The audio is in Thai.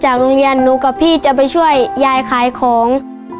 โรงเรียนหนูกับพี่จะไปช่วยยายขายของ